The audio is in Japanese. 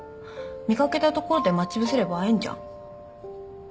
見掛けた所で待ち伏せれば会えんじゃん？